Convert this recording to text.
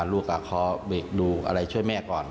ขอเบรกดูอะไรช่วยแม่ก่อน